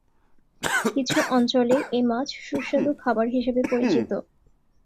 কিছু অঞ্চলে এ মাছ সুস্বাদু খাবার হিসাবে পরিচিত।